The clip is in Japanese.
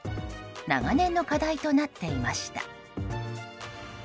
長年の課題となっていました。